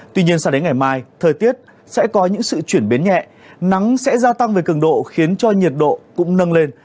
tuy nhiên sang đến ngày mai thời tiết sẽ có những sự chuyển biến nhẹ nắng sẽ gia tăng về cường độ khiến cho nhiệt độ cũng nâng lên